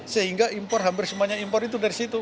sehingga impor hampir semuanya impor itu dari situ